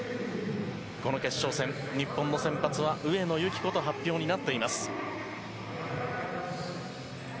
この決勝戦、日本の先発は上野由岐子と発表になっています。